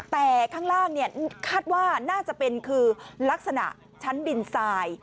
แต่ข้างล่างคาดว่าน่าจะเป็นคือลักษณะชั้นดินทราย